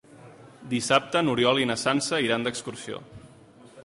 Dissabte n'Oriol i na Sança iran d'excursió.